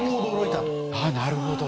ああなるほど。